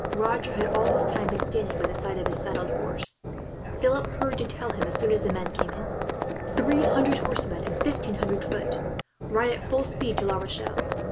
Roger had, all this time, been standing by the side of his saddled horse. Philip hurried to him, as soon as the men came in. "Three hundred horsemen and fifteen hundred foot! Ride at full speed to La Rochelle.